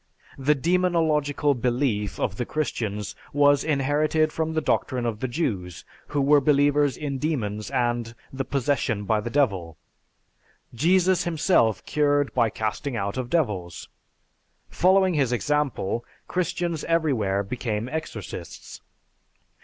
The demonological belief of the Christians was inherited from the doctrine of the Jews, who were believers in demons and the 'possession by the devil.' Jesus himself cured by casting out of devils. Following his example, Christians everywhere became exorcists.